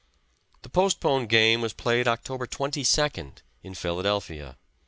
The postponed game was played October 22d, in Philadelphia.